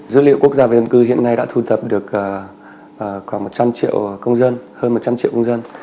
dữ liệu quốc gia về dân cư hiện nay đã thu thập được khoảng một trăm linh triệu công dân hơn một trăm linh triệu công dân